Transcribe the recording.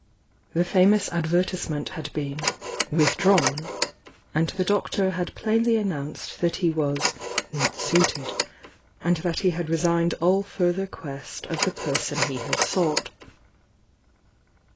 The famous advertisement had been "withdrawn," and the Doctor had plainly an liounced that he was "not suited," and that he had resigned all further quest of the person he had sou^t.